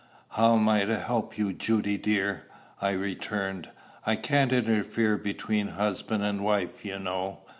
"How am I to help you, Judy dear?" I returned. "I can't interfere between husband and wife, you know.